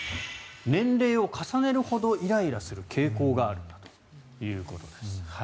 年齢を重ねるほどイライラする傾向があるということです。